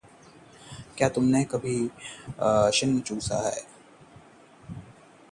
क्या तुमने कभी शिश्न चूसा है?